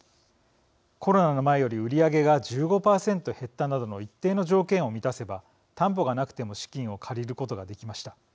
コロナの前より売り上げが１５％減ったなどの一定の条件を満たせば担保がなくても資金を借りることができました。